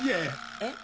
えっ？